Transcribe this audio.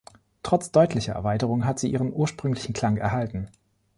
Trotz deutlicher Erweiterung hat sie ihren ursprünglichen Klang erhalten.